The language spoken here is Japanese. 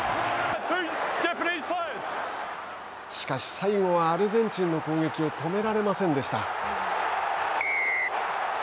しかし、最後はアルゼンチンの攻撃を止められませんでした。